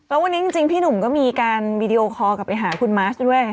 แล้ววันนี้จริงพี่หนุ่มก็มีการวีดีโอคอลกลับไปหาคุณมาสด้วย